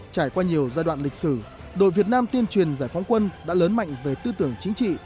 trải qua nhiều giai đoạn lịch sử đội việt nam tuyên truyền giải phóng quân đã lớn mạnh về tư tưởng chính trị